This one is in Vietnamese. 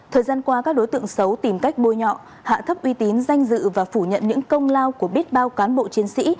thời gian qua các đối tượng xấu tìm cách bôi nhọ hạ thấp uy tín danh dự và phủ nhận những công lao của biết bao cán bộ chiến sĩ